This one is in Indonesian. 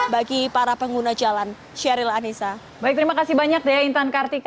bagi para pengguna jalan sheryl anissa